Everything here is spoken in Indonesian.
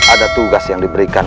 ada tugas yang diberikan